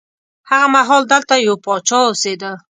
هغه مهال دلته یو پاچا اوسېده.